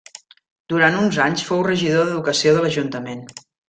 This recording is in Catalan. Durant uns anys fou regidor d'educació de l'Ajuntament.